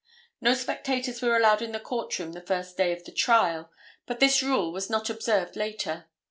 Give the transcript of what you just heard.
No spectators were allowed in the court room the first day of the trial, but this rule was not observed later.